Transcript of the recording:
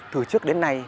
từ trước đến nay